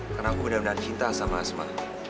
karena aku bener bener cinta sama asma